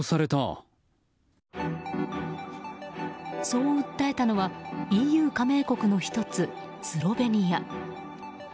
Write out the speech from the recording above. そう訴えたのはＥＵ加盟国の１つ、スロベニア。